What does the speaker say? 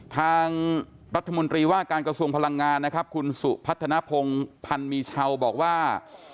ทางรัฐมนตรีว่าการกระทรวงพลังงานนะครับคุณสุพัฒนภงพันธ์มีเช่าบอกว่า